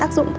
tẩy trang là